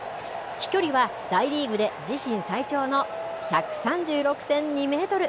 飛距離は大リーグで自身最長の１３６．２メートル。